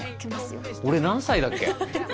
俺何歳だっけ？